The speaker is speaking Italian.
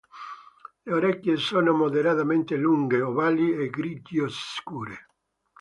Le orecchie sono moderatamente lunghe, ovali e grigio scure.